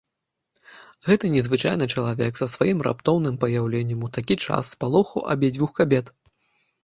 Гэты незвычайны чалавек са сваім раптоўным паяўленнем у такі час спалохаў абедзвюх кабет.